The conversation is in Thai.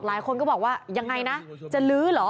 หลายคนก็บอกว่ายังไงนะจะลื้อเหรอ